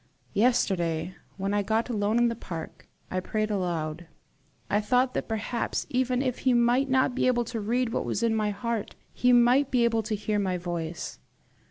Yesterday, when I got alone in the park, I prayed aloud: I thought that perhaps, even if he might not be able to read what was in my heart, he might be able to hear my voice.